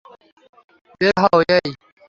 বের হও--- এই!